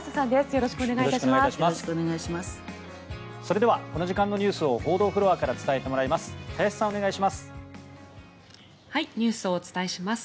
よろしくお願いします。